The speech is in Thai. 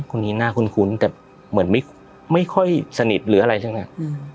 คนนี้น่าคุ้นคุ้นแต่เหมือนไม่ไม่ค่อยสนิทหรืออะไรซักอย่างน่ะอืม